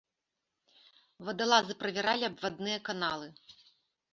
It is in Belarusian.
Вадалазы правяралі абвадныя каналы.